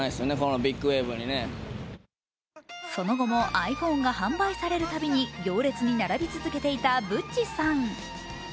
その後もｉＰｈｏｎｅが販売されるたびに行列に並び続けていたＢＵＴＣＨさん。